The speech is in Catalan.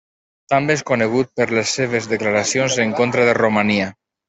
També és conegut per les seves declaracions en contra de Romania.